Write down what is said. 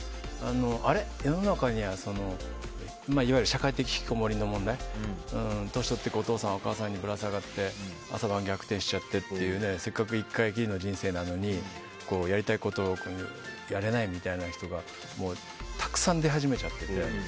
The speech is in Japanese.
世の中にはいわゆる社会的ひきこもりの問題年を取っていくお父さんやお母さんにぶら下がって朝晩逆転しちゃってというせっかく１回きりの人生なのにやりたいことをやれないみたいな人がたくさん出始めちゃっている。